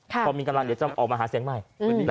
พอมีกำลังจะออกมาหาเสียงใหม่